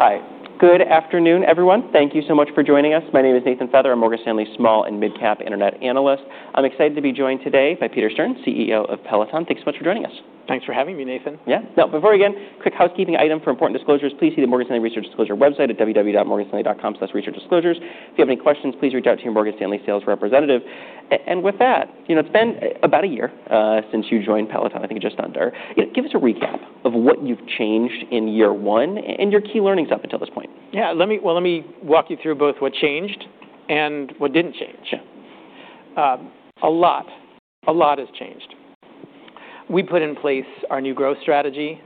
Hi. Good afternoon, everyone. Thank you so much for joining us. My name is Nathan Feather. I'm Morgan Stanley's Small and Mid-Cap Internet Analyst. I'm excited to be joined today by Peter Stern, CEO of Peloton. Thanks so much for joining us. Thanks for having me, Nathan. Yeah. Now, before we begin, quick housekeeping item for important disclosures. Please see the Morgan Stanley Research Disclosure website at www.morganstanley.com/researchdisclosures. If you have any questions, please reach out to your Morgan Stanley sales representative, and with that, you know, it's been about a year since you joined Peloton, I think just under. Give us a recap of what you've changed in year one and your key learnings up until this point. Yeah. Well, let me walk you through both what changed and what didn't change. A lot. A lot has changed. We put in place our new growth strategy.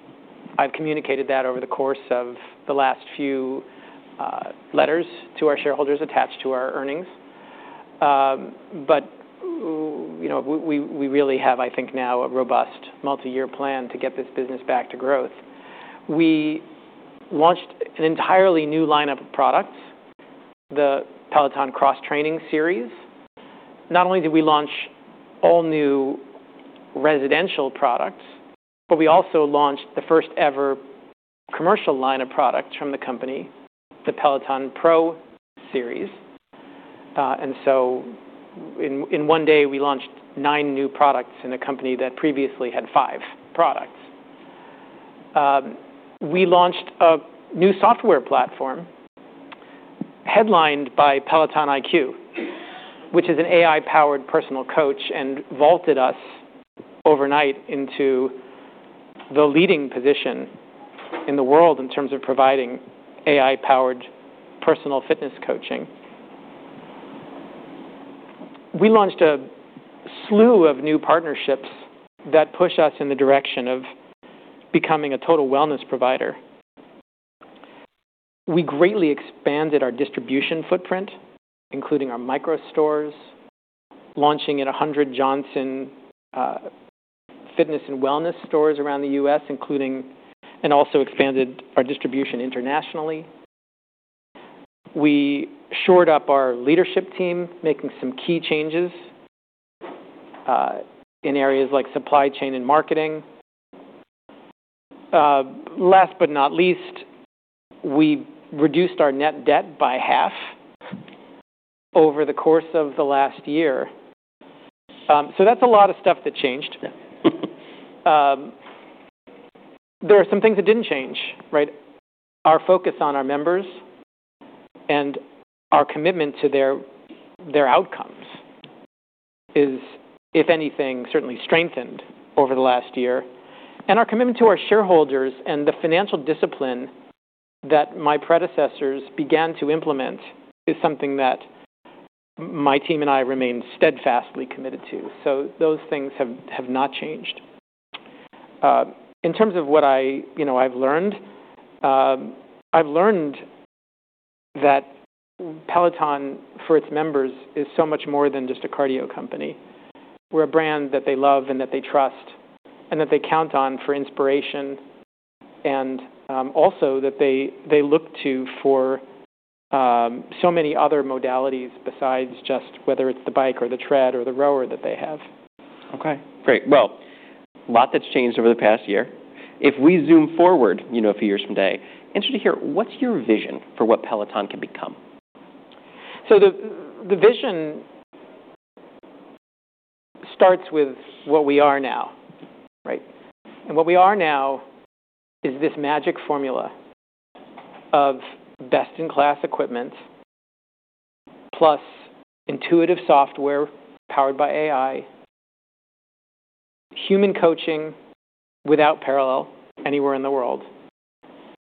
I've communicated that over the course of the last few letters to our shareholders attached to our earnings. But we really have, I think now, a robust multi-year plan to get this business back to growth. We launched an entirely new lineup of products, the Peloton Cross Training Series. Not only did we launch all new residential products, but we also launched the first-ever commercial line of product from the company, the Peloton Pro Series, and so in one day, we launched nine new products in a company that previously had five products. We launched a new software platform headlined by Peloton IQ, which is an AI-powered personal coach and vaulted us overnight into the leading position in the world in terms of providing AI-powered personal fitness coaching. We launched a slew of new partnerships that push us in the direction of becoming a total wellness provider. We greatly expanded our distribution footprint, including our micro stores, launching at 100 Johnson Fitness & Wellness stores around the U.S., and also expanded our distribution internationally. We shored up our leadership team, making some key changes in areas like supply chain and marketing. Last but not least, we reduced our net debt by half over the course of the last year. So that's a lot of stuff that changed. There are some things that didn't change, right? Our focus on our members and our commitment to their outcomes is, if anything, certainly strengthened over the last year. And our commitment to our shareholders and the financial discipline that my predecessors began to implement is something that my team and I remain steadfastly committed to. So those things have not changed. In terms of what I've learned, I've learned that Peloton, for its members, is so much more than just a cardio company. We're a brand that they love and that they trust and that they count on for inspiration and also that they look to for so many other modalities besides just whether it's the bike or the tread or the rower that they have. Okay. Great. Well, a lot that's changed over the past year. If we zoom forward a few years from today, I'm interested to hear what's your vision for what Peloton can become? So the vision starts with what we are now, right? And what we are now is this magic formula of best-in-class equipment plus intuitive software powered by AI, human coaching without parallel anywhere in the world,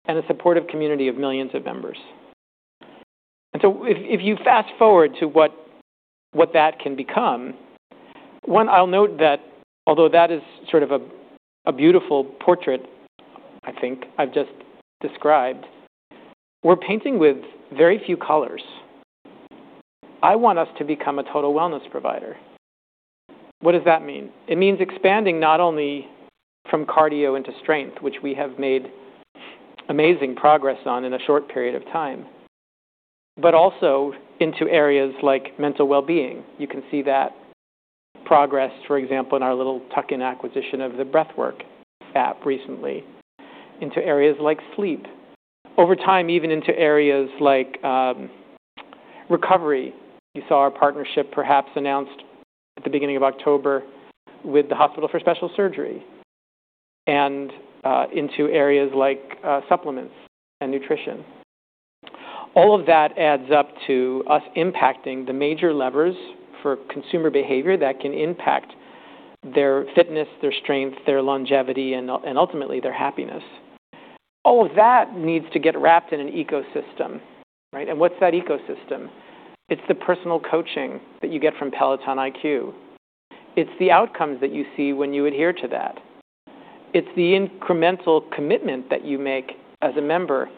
and a supportive community of millions of members. And so if you fast forward to what that can become, one, I'll note that although that is sort of a beautiful portrait, I think, I've just described, we're painting with very few colors. I want us to become a total wellness provider. What does that mean? It means expanding not only from cardio into strength, which we have made amazing progress on in a short period of time, but also into areas like mental well-being. You can see that progress, for example, in our little tuck-in acquisition of the Breathwrk app recently into areas like sleep. Over time, even into areas like recovery. You saw our partnership perhaps announced at the beginning of October with the Hospital for Special Surgery and into areas like supplements and nutrition. All of that adds up to us impacting the major levers for consumer behavior that can impact their fitness, their strength, their longevity, and ultimately their happiness. All of that needs to get wrapped in an ecosystem, right? And what's that ecosystem? It's the personal coaching that you get from Peloton IQ. It's the outcomes that you see when you adhere to that. It's the incremental commitment that you make as a member.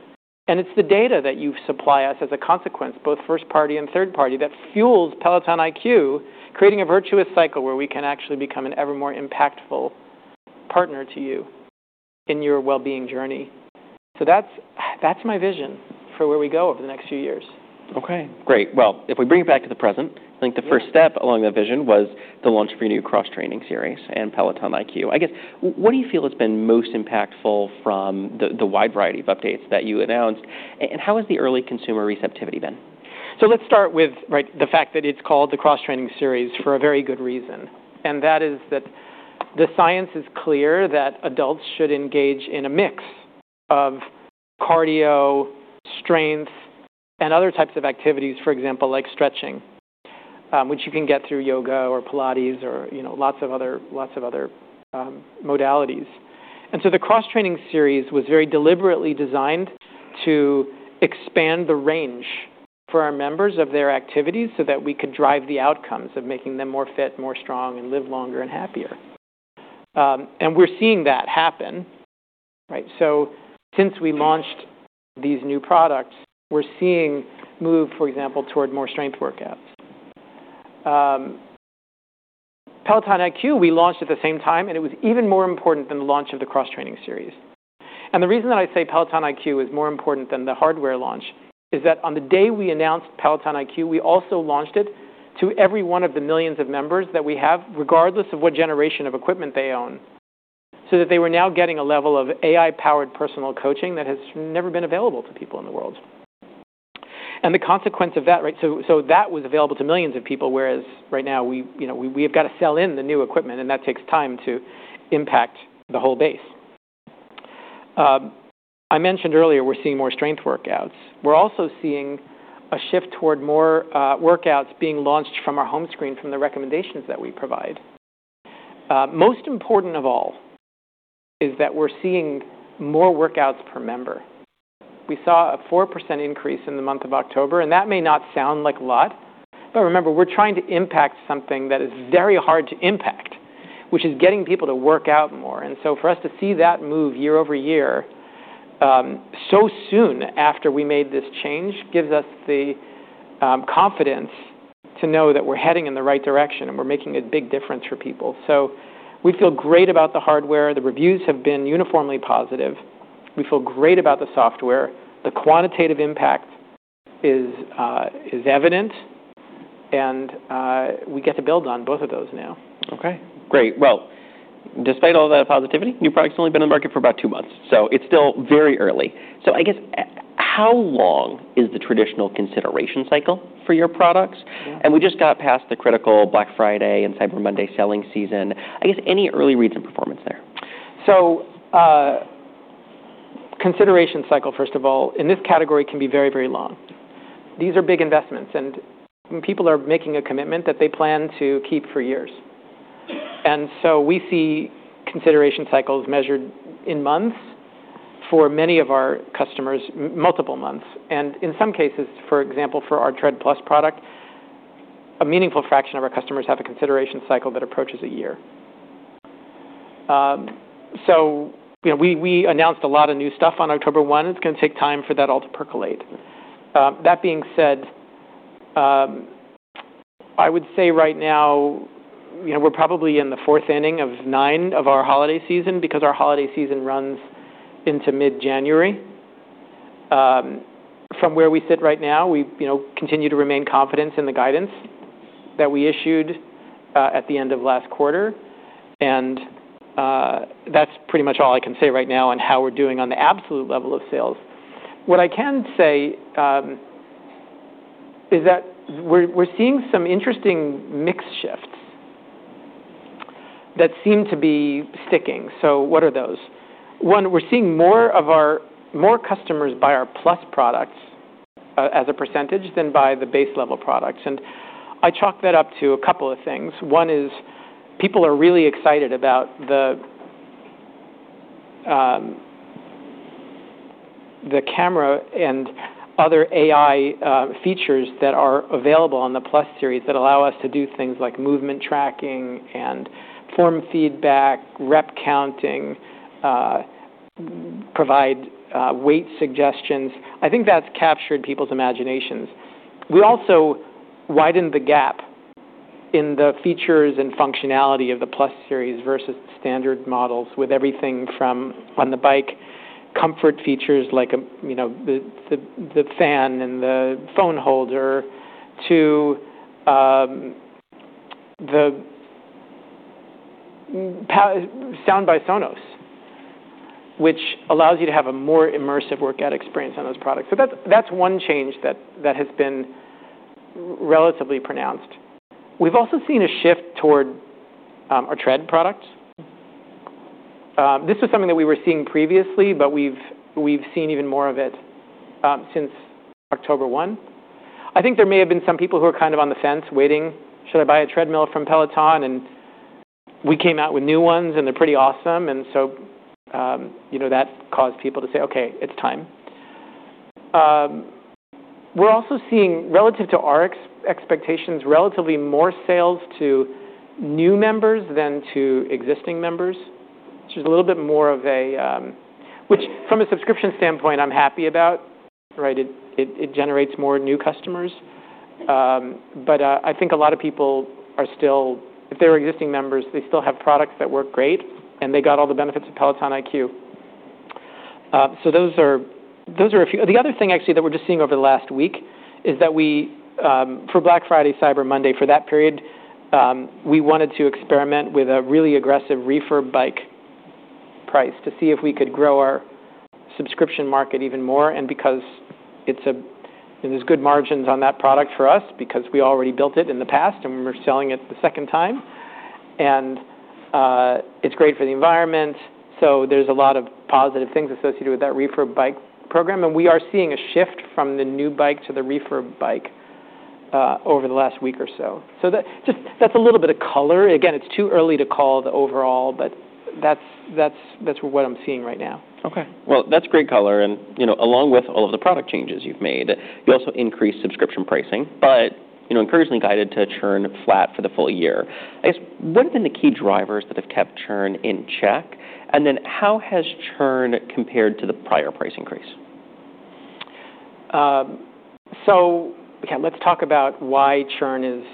And it's the data that you supply us as a consequence, both first-party and third-party, that fuels Peloton IQ, creating a virtuous cycle where we can actually become an ever more impactful partner to you in your well-being journey. So that's my vision for where we go over the next few years. Okay. Great. If we bring it back to the present, I think the first step along that vision was the launch of your new Cross Training Series and Peloton IQ. I guess, what do you feel has been most impactful from the wide variety of updates that you announced? And how has the early consumer receptivity been? So let's start with the fact that it's called the Cross Training Series for a very good reason. And that is that the science is clear that adults should engage in a mix of cardio, strength, and other types of activities, for example, like stretching, which you can get through yoga or Pilates or lots of other modalities. And so the Cross Training Series was very deliberately designed to expand the range for our members of their activities so that we could drive the outcomes of making them more fit, more strong, and live longer and happier. And we're seeing that happen, right? So since we launched these new products, we're seeing move, for example, toward more strength workouts. Peloton IQ, we launched at the same time, and it was even more important than the launch of the Cross Training Series. The reason that I say Peloton IQ is more important than the hardware launch is that on the day we announced Peloton IQ, we also launched it to every one of the millions of members that we have, regardless of what generation of equipment they own, so that they were now getting a level of AI-powered personal coaching that has never been available to people in the world. The consequence of that, right? That was available to millions of people, whereas right now we have got to sell in the new equipment, and that takes time to impact the whole base. I mentioned earlier we're seeing more strength workouts. We're also seeing a shift toward more workouts being launched from our home screen from the recommendations that we provide. Most important of all is that we're seeing more workouts per member. We saw a 4% increase in the month of October, and that may not sound like a lot, but remember, we're trying to impact something that is very hard to impact, which is getting people to work out more, and so for us to see that move year-over-year so soon after we made this change gives us the confidence to know that we're heading in the right direction and we're making a big difference for people, so we feel great about the hardware. The reviews have been uniformly positive. We feel great about the software. The quantitative impact is evident, and we get to build on both of those now. Okay. Great. Well, despite all that positivity, new products have only been on the market for about two months, so it's still very early. So I guess, how long is the traditional consideration cycle for your products? And we just got past the critical Black Friday and Cyber Monday selling season. I guess, any early reads and performance there? So consideration cycle, first of all, in this category can be very, very long. These are big investments, and people are making a commitment that they plan to keep for years. And so we see consideration cycles measured in months for many of our customers, multiple months. And in some cases, for example, for our Tread+ product, a meaningful fraction of our customers have a consideration cycle that approaches a year. So we announced a lot of new stuff on October 1. It's going to take time for that all to percolate. That being said, I would say right now we're probably in the fourth inning of nine of our holiday season because our holiday season runs into mid-January. From where we sit right now, we continue to remain confident in the guidance that we issued at the end of last quarter. That's pretty much all I can say right now on how we're doing on the absolute level of sales. What I can say is that we're seeing some interesting mix shifts that seem to be sticking. What are those? One, we're seeing more customers buy our Plus products as a percentage than buy the base level products. And I chalk that up to a couple of things. One is people are really excited about the camera and other AI features that are available on the Plus Series that allow us to do things like movement tracking and form feedback, rep counting, provide weight suggestions. I think that's captured people's imaginations. We also widened the gap in the features and functionality of the Plus Series versus standard models with everything from on the bike comfort features like the fan and the phone holder to the sound by Sonos, which allows you to have a more immersive workout experience on those products. So that's one change that has been relatively pronounced. We've also seen a shift toward our tread products. This was something that we were seeing previously, but we've seen even more of it since October 1. I think there may have been some people who are kind of on the fence waiting, "Should I buy a treadmill from Peloton?" And we came out with new ones, and they're pretty awesome. That caused people to say, "Okay, it's time." We're also seeing, relative to our expectations, relatively more sales to new members than to existing members, which is a little bit more of a, which from a subscription standpoint, I'm happy about, right? It generates more new customers. But I think a lot of people are still, if they're existing members, they still have products that work great, and they got all the benefits of Peloton IQ. So those are a few. The other thing, actually, that we're just seeing over the last week is that for Black Friday, Cyber Monday, for that period, we wanted to experiment with a really aggressive reefer bike price to see if we could grow our subscription market even more. And because there's good margins on that product for us because we already built it in the past, and we're selling it the second time, and it's great for the environment. So there's a lot of positive things associated with that reefer bike program. And we are seeing a shift from the new bike to the reefer bike over the last week or so. So that's a little bit of color. Again, it's too early to call the overall, but that's what I'm seeing right now. Okay, well, that's great color, and along with all of the product changes you've made, you also increased subscription pricing, but encouragingly guided to churn flat for the full year. I guess, what have been the key drivers that have kept churn in check, and then how has churn compared to the prior price increase? So let's talk about why churn is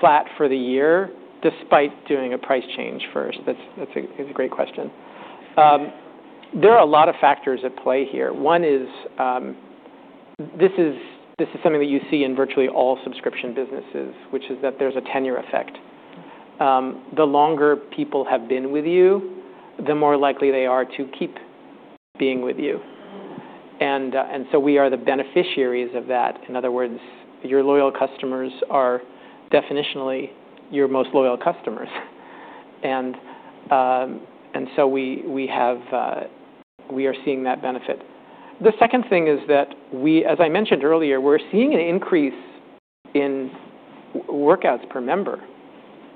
flat for the year despite doing a price change first. That's a great question. There are a lot of factors at play here. One is this is something that you see in virtually all subscription businesses, which is that there's a tenure effect. The longer people have been with you, the more likely they are to keep being with you. And so we are the beneficiaries of that. In other words, your loyal customers are definitionally your most loyal customers. And so we are seeing that benefit. The second thing is that, as I mentioned earlier, we're seeing an increase in workouts per member.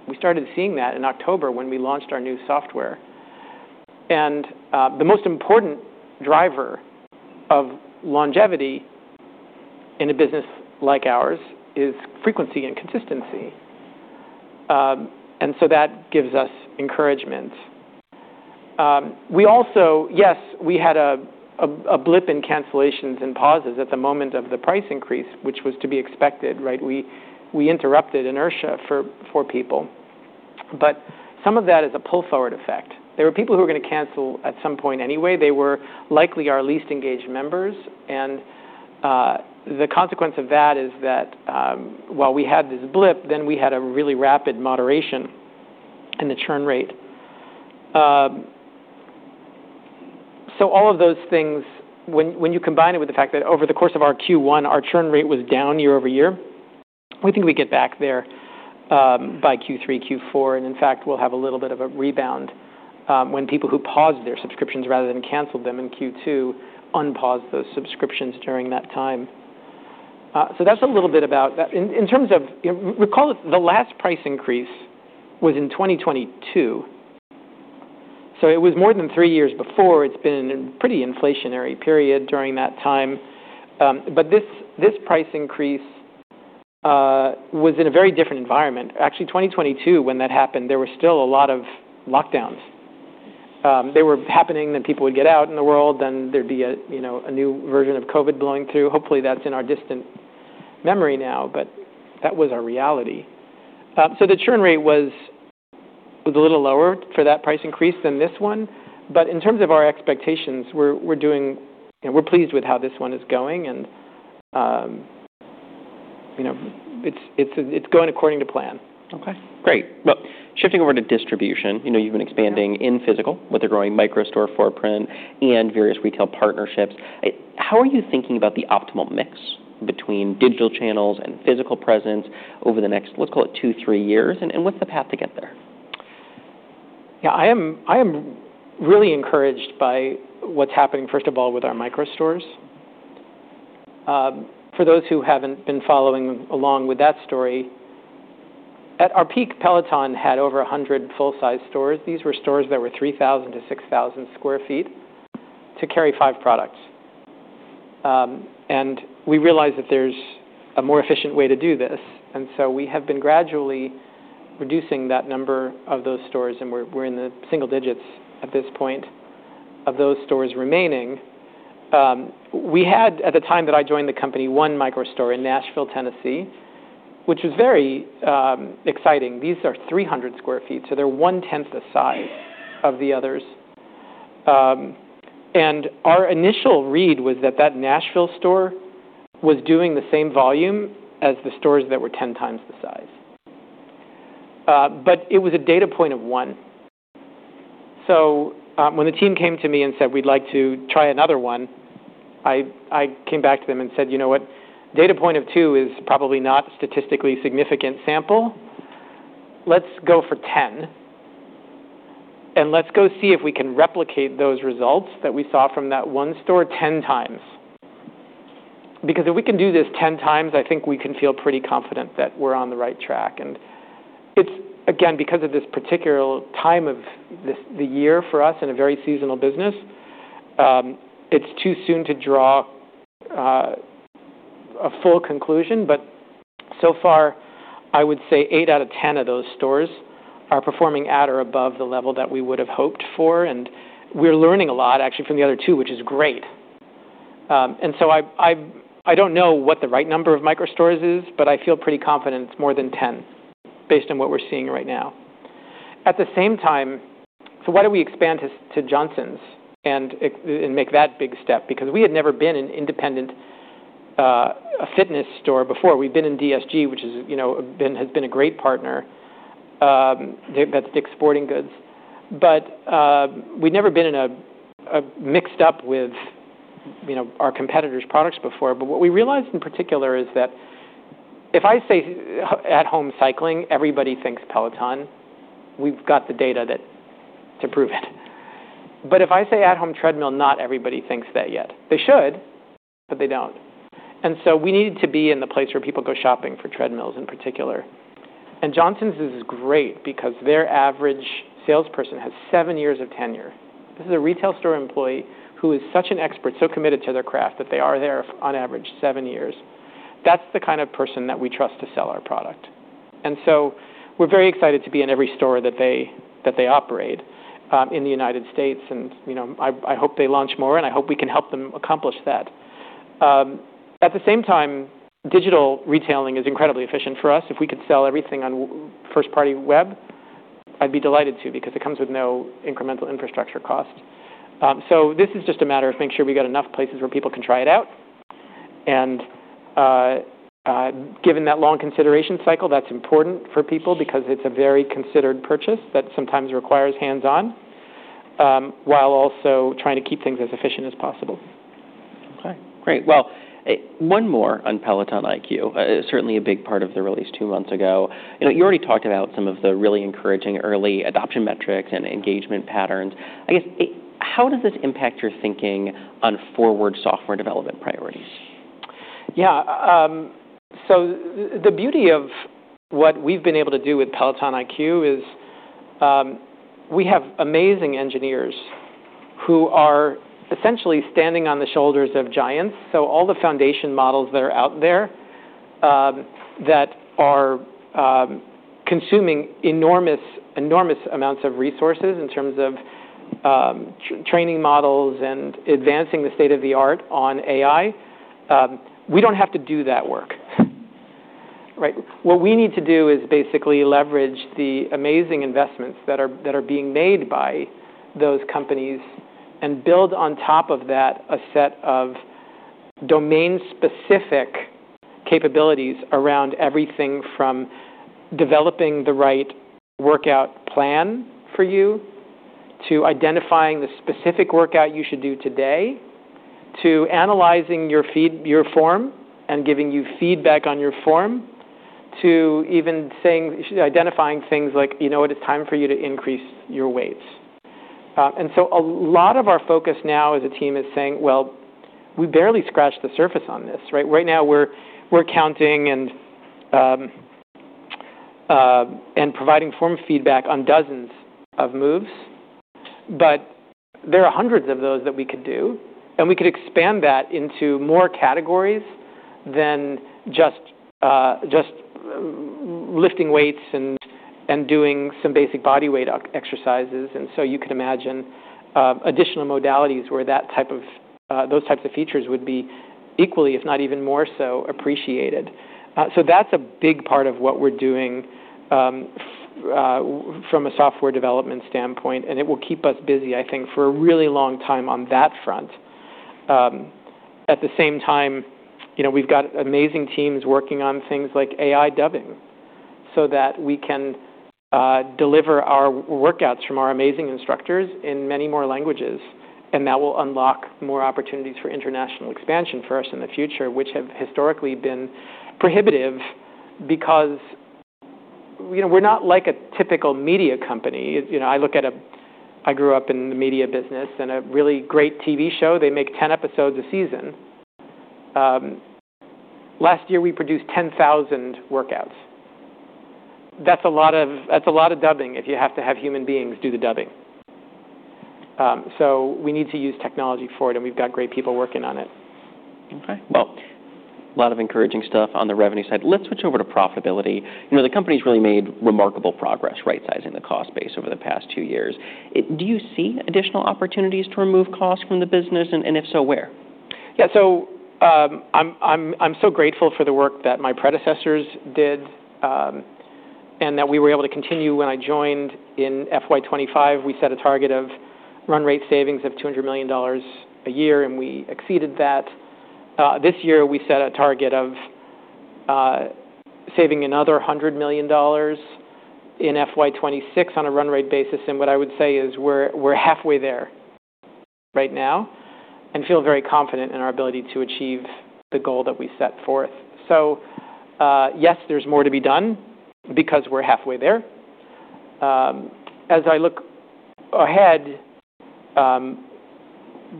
We started seeing that in October when we launched our new software. And the most important driver of longevity in a business like ours is frequency and consistency. And so that gives us encouragement. Yes, we had a blip in cancellations and pauses at the moment of the price increase, which was to be expected, right? We interrupted inertia for people, but some of that is a pull-forward effect. There were people who were going to cancel at some point anyway. They were likely our least engaged members, and the consequence of that is that while we had this blip, then we had a really rapid moderation in the churn rate, so all of those things, when you combine it with the fact that over the course of our Q1, our churn rate was down year-over-year, we think we get back there by Q3, Q4, and in fact, we'll have a little bit of a rebound when people who paused their subscriptions rather than canceled them in Q2 unpaused those subscriptions during that time, so that's a little bit about that. In terms of recall, the last price increase was in 2022, so it was more than three years before. It's been a pretty inflationary period during that time, but this price increase was in a very different environment. Actually, 2022, when that happened, there were still a lot of lockdowns. They were happening, then people would get out in the world, then there'd be a new version of COVID blowing through. Hopefully, that's in our distant memory now, but that was our reality, so the churn rate was a little lower for that price increase than this one, but in terms of our expectations, we're pleased with how this one is going, and it's going according to plan. Okay. Great. Well, shifting over to distribution, you've been expanding in physical with a growing micro-store footprint and various retail partnerships. How are you thinking about the optimal mix between digital channels and physical presence over the next, let's call it, two, three years? And what's the path to get there? Yeah. I am really encouraged by what's happening, first of all, with our micro-stores. For those who haven't been following along with that story, at our peak, Peloton had over 100 full-size stores. These were stores that were 3,000-6,000 sq ft to carry five products. And we realized that there's a more efficient way to do this. And so we have been gradually reducing that number of those stores, and we're in the single digits at this point of those stores remaining. We had, at the time that I joined the company, one micro-store in Nashville, Tennessee, which was very exciting. These are 300 sq ft, so they're one-tenth the size of the others. And our initial read was that that Nashville store was doing the same volume as the stores that were 10 times the size. But it was a data point of one. So when the team came to me and said, "We'd like to try another one," I came back to them and said, "You know what? Data point of two is probably not a statistically significant sample. Let's go for 10, and let's go see if we can replicate those results that we saw from that one store 10 times." Because if we can do this 10 times, I think we can feel pretty confident that we're on the right track. And it's, again, because of this particular time of the year for us in a very seasonal business, it's too soon to draw a full conclusion. But so far, I would say eight out of 10 of those stores are performing at or above the level that we would have hoped for. And we're learning a lot, actually, from the other two, which is great. And so I don't know what the right number of micro-stores is, but I feel pretty confident it's more than 10 based on what we're seeing right now. At the same time, so why don't we expand to Johnson's and make that big step? Because we had never been an independent fitness store before. We've been in DSG, which has been a great partner. They've got DICK's Sporting Goods. But we'd never been mixed up with our competitors' products before. But what we realized in particular is that if I say at-home cycling, everybody thinks Peloton. We've got the data to prove it. But if I say at-home treadmill, not everybody thinks that yet. They should, but they don't. And so we needed to be in the place where people go shopping for treadmills in particular. And Johnson's is great because their average salesperson has seven years of tenure. This is a retail store employee who is such an expert, so committed to their craft that they are there on average seven years. That's the kind of person that we trust to sell our product. And so we're very excited to be in every store that they operate in the United States. And I hope they launch more, and I hope we can help them accomplish that. At the same time, digital retailing is incredibly efficient for us. If we could sell everything on first-party web, I'd be delighted to because it comes with no incremental infrastructure cost. So this is just a matter of making sure we got enough places where people can try it out. And given that long consideration cycle, that's important for people because it's a very considered purchase that sometimes requires hands-on while also trying to keep things as efficient as possible. Okay. Great. Well, one more on Peloton IQ, certainly a big part of the release two months ago. You already talked about some of the really encouraging early adoption metrics and engagement patterns. I guess, how does this impact your thinking on forward software development priorities? Yeah. So the beauty of what we've been able to do with Peloton IQ is we have amazing engineers who are essentially standing on the shoulders of giants. So all the foundation models that are out there that are consuming enormous amounts of resources in terms of training models and advancing the state of the art on AI, we don't have to do that work, right? What we need to do is basically leverage the amazing investments that are being made by those companies and build on top of that a set of domain-specific capabilities around everything from developing the right workout plan for you to identifying the specific workout you should do today to analyzing your form and giving you feedback on your form to even identifying things like, "You know what? It's time for you to increase your weights," and so a lot of our focus now as a team is saying, "Well, we barely scratched the surface on this," right? Right now, we're counting and providing form feedback on dozens of moves, but there are hundreds of those that we could do, and we could expand that into more categories than just lifting weights and doing some basic body weight exercises, and so you could imagine additional modalities where those types of features would be equally, if not even more so, appreciated, so that's a big part of what we're doing from a software development standpoint, and it will keep us busy, I think, for a really long time on that front. At the same time, we've got amazing teams working on things like AI dubbing so that we can deliver our workouts from our amazing instructors in many more languages, and that will unlock more opportunities for international expansion for us in the future, which have historically been prohibitive because we're not like a typical media company. I grew up in the media business, and a really great TV show, they make 10 episodes a season. Last year, we produced 10,000 workouts. That's a lot of dubbing if you have to have human beings do the dubbing, so we need to use technology for it, and we've got great people working on it. Okay. Well, a lot of encouraging stuff on the revenue side. Let's switch over to profitability. The company's really made remarkable progress right-sizing the cost base over the past two years. Do you see additional opportunities to remove costs from the business? And if so, where? Yeah. So I'm so grateful for the work that my predecessors did and that we were able to continue. When I joined in FY 2025, we set a target of run rate savings of $200 million a year, and we exceeded that. This year, we set a target of saving another $100 million in FY 2026 on a run rate basis. And what I would say is we're halfway there right now and feel very confident in our ability to achieve the goal that we set forth. So yes, there's more to be done because we're halfway there. As I look ahead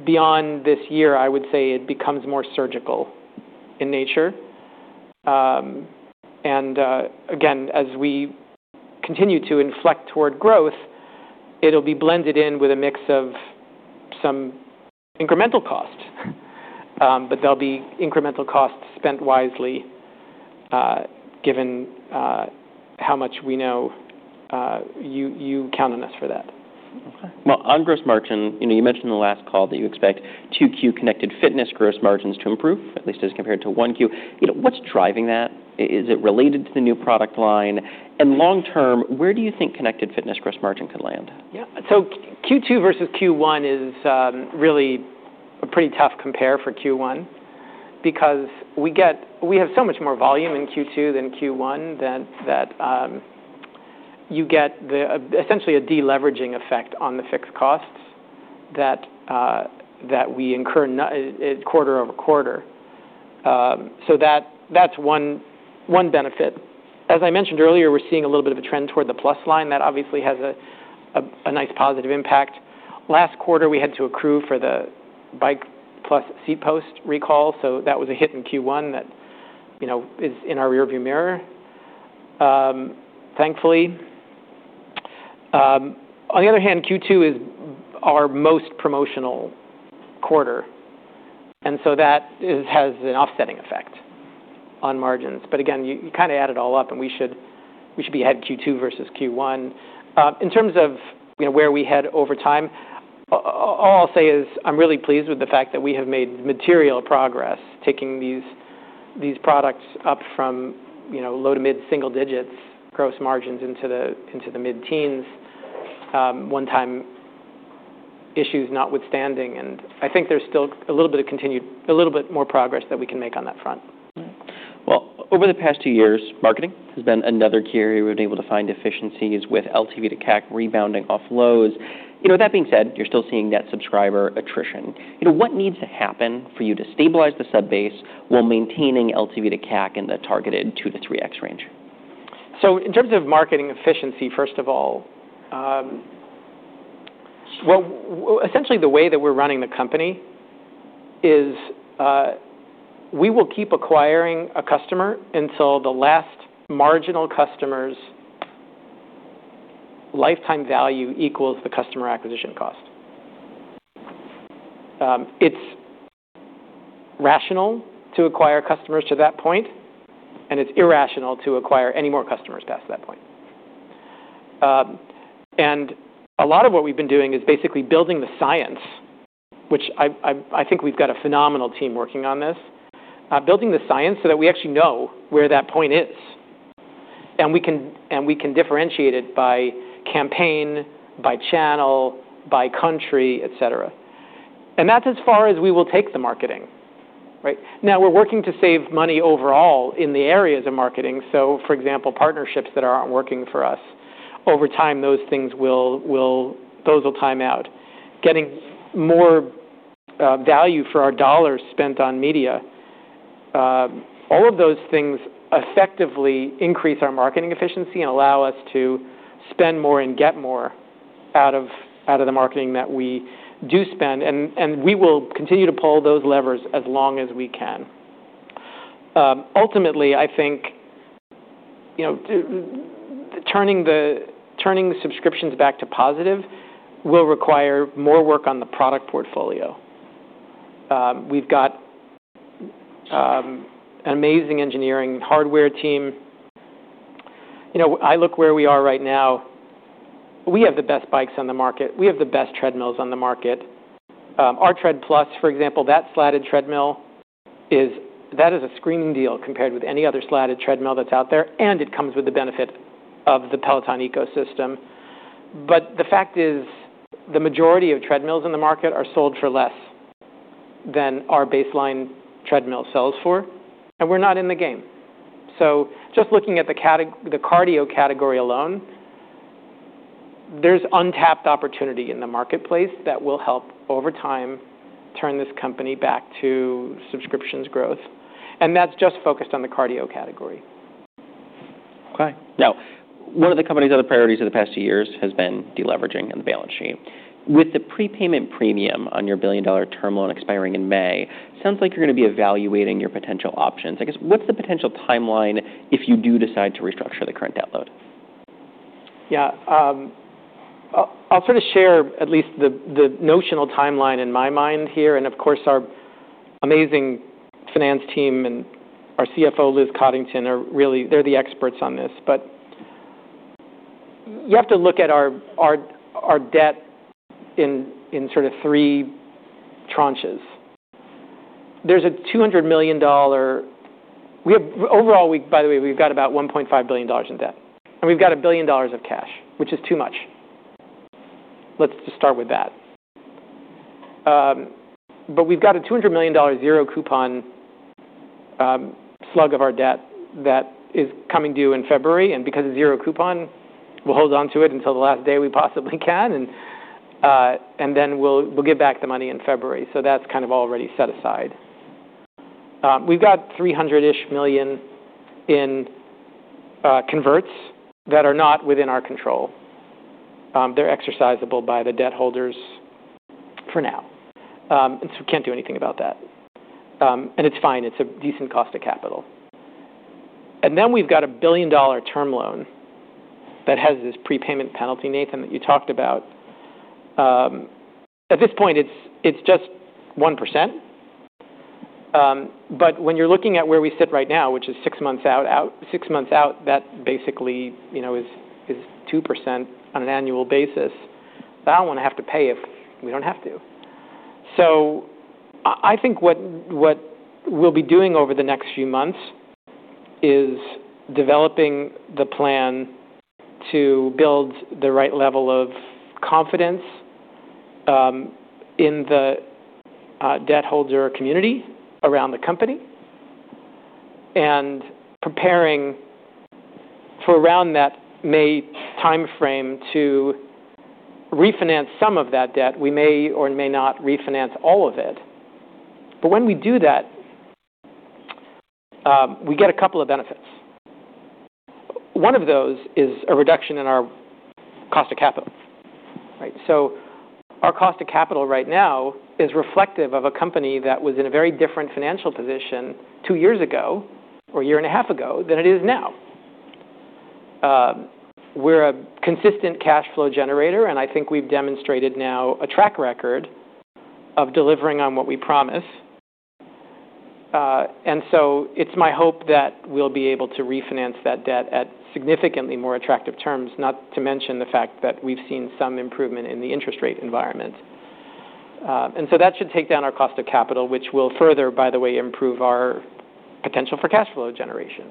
beyond this year, I would say it becomes more surgical in nature. And again, as we continue to inflect toward growth, it'll be blended in with a mix of some incremental costs. But there'll be incremental costs spent wisely given how much we know you count on us for that. Okay, well, on gross margin, you mentioned in the last call that you expect 2Q connected fitness gross margins to improve, at least as compared to 1Q. What's driving that? Is it related to the new product line, and long-term, where do you think connected fitness gross margin could land? Yeah. So Q2 versus Q1 is really a pretty tough compare for Q1 because we have so much more volume in Q2 than Q1 that you get essentially a deleveraging effect on the fixed costs that we incur quarter over quarter. So that's one benefit. As I mentioned earlier, we're seeing a little bit of a trend toward the plus line. That obviously has a nice positive impact. Last quarter, we had to accrue for the bike plus seat post recall. So that was a hit in Q1 that is in our rearview mirror, thankfully. On the other hand, Q2 is our most promotional quarter. And so that has an offsetting effect on margins. But again, you kind of add it all up, and we should be ahead Q2 versus Q1. In terms of where we head over time, all I'll say is I'm really pleased with the fact that we have made material progress taking these products up from low to mid single digits gross margins into the mid teens, one-time issues notwithstanding, and I think there's still a little bit more progress that we can make on that front. Over the past two years, marketing has been another key area we've been able to find efficiencies with LTV-to-CAC rebounding off lows. That being said, you're still seeing net subscriber attrition. What needs to happen for you to stabilize the subbase while maintaining LTV-to-CAC in the targeted 2 to 3x range? So in terms of marketing efficiency, first of all, essentially the way that we're running the company is we will keep acquiring a customer until the last marginal customer's lifetime value equals the customer acquisition cost. It's rational to acquire customers to that point, and it's irrational to acquire any more customers past that point. And a lot of what we've been doing is basically building the science, which I think we've got a phenomenal team working on this, building the science so that we actually know where that point is. And we can differentiate it by campaign, by channel, by country, etc. And that's as far as we will take the marketing, right? Now, we're working to save money overall in the areas of marketing. So for example, partnerships that aren't working for us, over time, those will time out. Getting more value for our dollars spent on media, all of those things effectively increase our marketing efficiency and allow us to spend more and get more out of the marketing that we do spend. And we will continue to pull those levers as long as we can. Ultimately, I think turning the subscriptions back to positive will require more work on the product portfolio. We've got an amazing engineering hardware team. I look where we are right now. We have the best bikes on the market. We have the best treadmills on the market. Our Tread+, for example, that slatted treadmill, that is a screaming deal compared with any other slatted treadmill that's out there. And it comes with the benefit of the Peloton ecosystem. But the fact is the majority of treadmills in the market are sold for less than our baseline treadmill sells for. And we're not in the game. So just looking at the cardio category alone, there's untapped opportunity in the marketplace that will help over time turn this company back to subscriptions growth. And that's just focused on the cardio category. Okay. Now, one of the company's other priorities of the past two years has been deleveraging on the balance sheet. With the prepayment premium on your $1 billion term loan expiring in May, it sounds like you're going to be evaluating your potential options. I guess, what's the potential timeline if you do decide to restructure the current term loan? Yeah. I'll sort of share at least the notional timeline in my mind here. And of course, our amazing finance team and our CFO, Liz Coddington, they're the experts on this. But you have to look at our debt in sort of three tranches. There's a $200 million overall. By the way, we've got about $1.5 billion in debt. And we've got $1 billion of cash, which is too much. Let's just start with that. But we've got a $200 million zero coupon slug of our debt that is coming due in February. And because it's zero coupon, we'll hold on to it until the last day we possibly can. And then we'll give back the money in February. So that's kind of already set aside. We've got $300 million-ish in converts that are not within our control. They're exercisable by the debt holders for now. And so we can't do anything about that. And it's fine. It's a decent cost of capital. And then we've got a $1 billion term loan that has this prepayment penalty, Nathan, that you talked about. At this point, it's just 1%. But when you're looking at where we sit right now, which is six months out, that basically is 2% on an annual basis. That I don't want to have to pay if we don't have to. So I think what we'll be doing over the next few months is developing the plan to build the right level of confidence in the debt holder community around the company and preparing for around that May timeframe to refinance some of that debt. We may or may not refinance all of it. But when we do that, we get a couple of benefits. One of those is a reduction in our cost of capital, right, so our cost of capital right now is reflective of a company that was in a very different financial position two years ago or a year and a half ago than it is now. We're a consistent cash flow generator, and I think we've demonstrated now a track record of delivering on what we promise, and so it's my hope that we'll be able to refinance that debt at significantly more attractive terms, not to mention the fact that we've seen some improvement in the interest rate environment, and so that should take down our cost of capital, which will further, by the way, improve our potential for cash flow generation.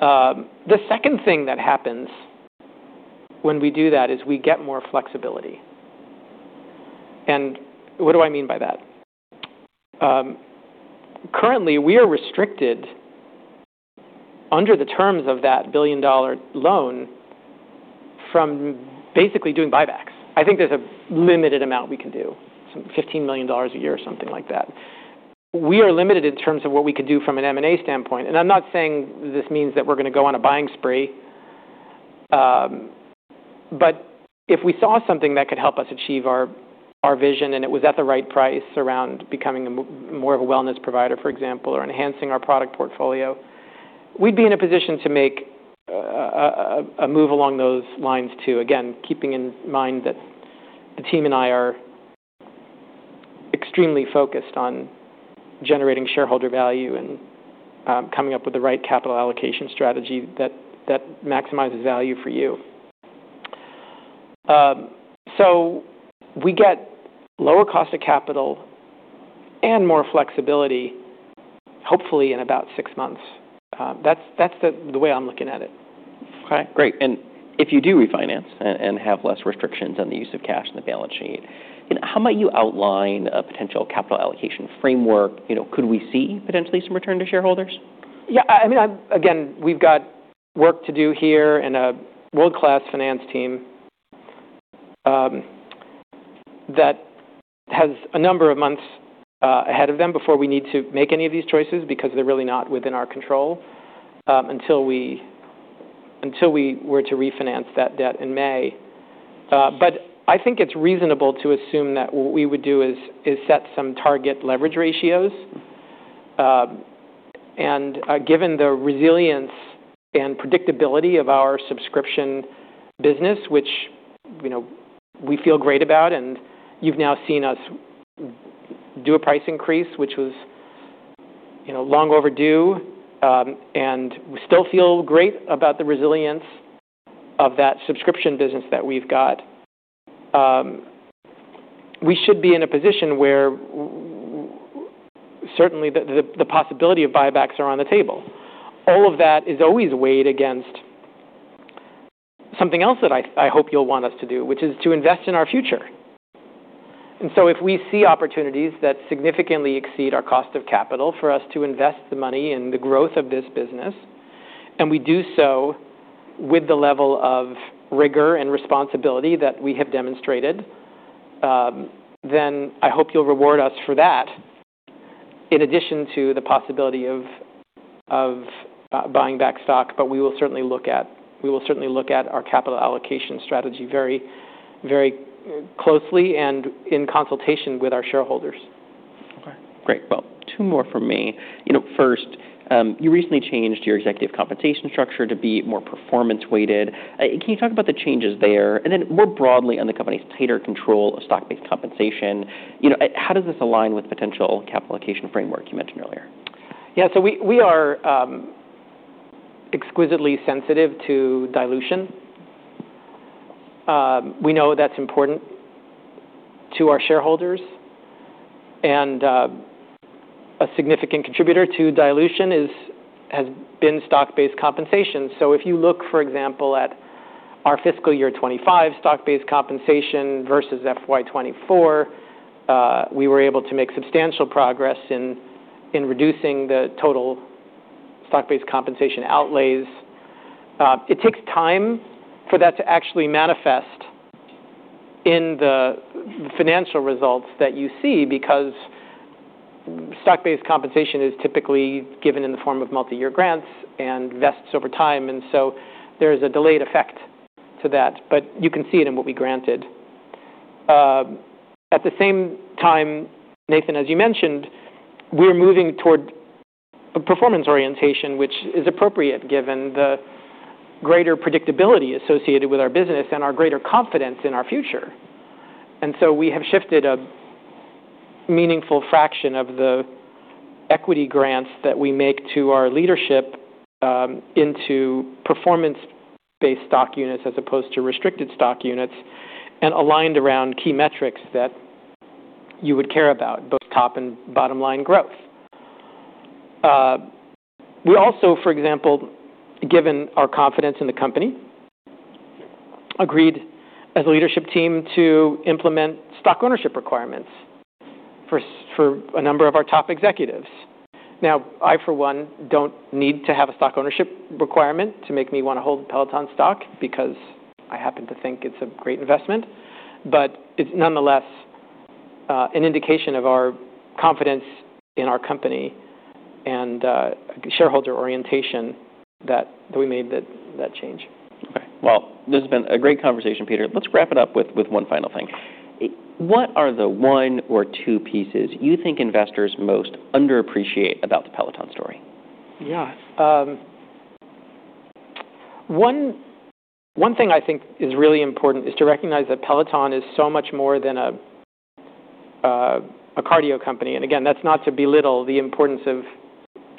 The second thing that happens when we do that is we get more flexibility, and what do I mean by that? Currently, we are restricted under the terms of that billion-dollar loan from basically doing buybacks. I think there's a limited amount we can do, some $15 million a year or something like that. We are limited in terms of what we could do from an M&A standpoint, and I'm not saying this means that we're going to go on a buying spree, but if we saw something that could help us achieve our vision and it was at the right price around becoming more of a wellness provider, for example, or enhancing our product portfolio, we'd be in a position to make a move along those lines too. Again, keeping in mind that the team and I are extremely focused on generating shareholder value and coming up with the right capital allocation strategy that maximizes value for you. So we get lower cost of capital and more flexibility, hopefully in about six months. That's the way I'm looking at it. Okay. Great. And if you do refinance and have less restrictions on the use of cash in the balance sheet, how might you outline a potential capital allocation framework? Could we see potentially some return to shareholders? Yeah. I mean, again, we've got work to do here and a world-class finance team that has a number of months ahead of them before we need to make any of these choices because they're really not within our control until we were to refinance that debt in May. But I think it's reasonable to assume that what we would do is set some target leverage ratios, and given the resilience and predictability of our subscription business, which we feel great about, and you've now seen us do a price increase, which was long overdue, and we still feel great about the resilience of that subscription business that we've got, we should be in a position where certainly the possibility of buybacks are on the table. All of that is always weighed against something else that I hope you'll want us to do, which is to invest in our future. And so if we see opportunities that significantly exceed our cost of capital for us to invest the money in the growth of this business, and we do so with the level of rigor and responsibility that we have demonstrated, then I hope you'll reward us for that in addition to the possibility of buying back stock. But we will certainly look at our capital allocation strategy very closely and in consultation with our shareholders. Okay. Great. Two more from me. First, you recently changed your executive compensation structure to be more performance-weighted. Can you talk about the changes there? And then more broadly on the company's tighter control of stock-based compensation, how does this align with the potential capital allocation framework you mentioned earlier? Yeah. So we are exquisitely sensitive to dilution. We know that's important to our shareholders. And a significant contributor to dilution has been Stock-Based Compensation. So if you look, for example, at our fiscal year 2025 Stock-Based Compensation versus FY 2024, we were able to make substantial progress in reducing the total Stock-Based Compensation outlays. It takes time for that to actually manifest in the financial results that you see because Stock-Based Compensation is typically given in the form of multi-year grants and vests over time. And so there is a delayed effect to that. But you can see it in what we granted. At the same time, Nathan, as you mentioned, we're moving toward a performance orientation, which is appropriate given the greater predictability associated with our business and our greater confidence in our future. And so we have shifted a meaningful fraction of the equity grants that we make to our leadership into performance-based stock units as opposed to restricted stock units and aligned around key metrics that you would care about, both top and bottom-line growth. We also, for example, given our confidence in the company, agreed as a leadership team to implement stock ownership requirements for a number of our top executives. Now, I, for one, don't need to have a stock ownership requirement to make me want to hold Peloton stock because I happen to think it's a great investment. But it's nonetheless an indication of our confidence in our company and shareholder orientation that we made that change. Okay. Well, this has been a great conversation, Peter. Let's wrap it up with one final thing. What are the one or two pieces you think investors most underappreciate about the Peloton story? Yeah. One thing I think is really important is to recognize that Peloton is so much more than a cardio company. And again, that's not to belittle the importance of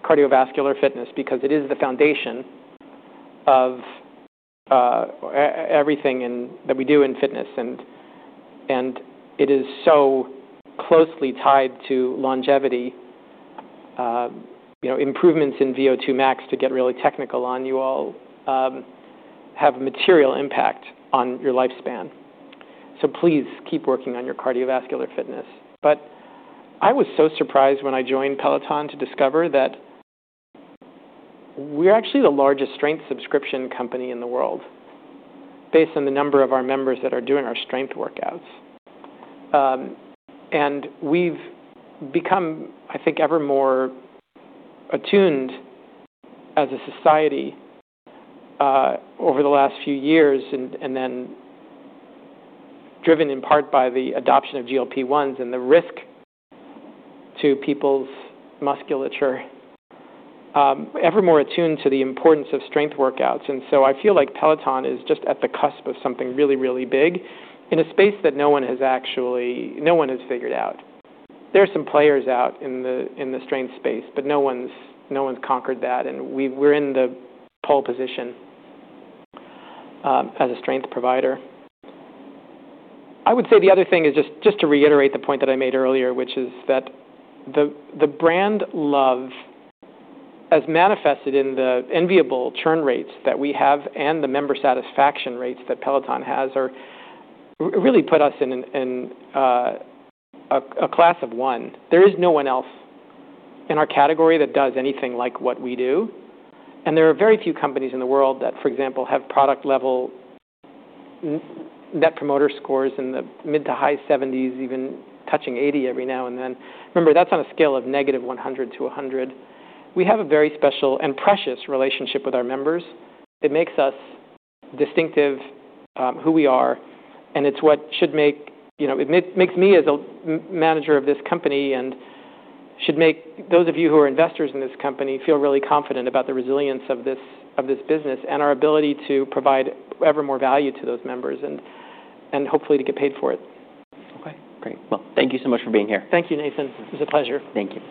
cardiovascular fitness because it is the foundation of everything that we do in fitness. And it is so closely tied to longevity. Improvements in VO2 Max, to get really technical on you all, have material impact on your lifespan. So please keep working on your cardiovascular fitness. But I was so surprised when I joined Peloton to discover that we're actually the largest strength subscription company in the world based on the number of our members that are doing our strength workouts. And we've become, I think, ever more attuned as a society over the last few years and then driven in part by the adoption of GLP-1s and the risk to people's musculature, ever more attuned to the importance of strength workouts. And so I feel like Peloton is just at the cusp of something really, really big in a space that no one has actually figured out. There are some players out in the strength space, but no one's conquered that. And we're in the pole position as a strength provider. I would say the other thing is just to reiterate the point that I made earlier, which is that the brand love as manifested in the enviable churn rates that we have and the member satisfaction rates that Peloton has really put us in a class of one. There is no one else in our category that does anything like what we do. And there are very few companies in the world that, for example, have product-level net promoter scores in the mid to high 70s, even touching 80 every now and then. Remember, that's on a scale of negative 100 to 100. We have a very special and precious relationship with our members. It makes us distinctive, who we are. And it's what should make it makes me as a manager of this company and should make those of you who are investors in this company feel really confident about the resilience of this business and our ability to provide ever more value to those members and hopefully to get paid for it. Okay. Great. Well, thank you so much for being here. Thank you, Nathan. It was a pleasure. Thank you.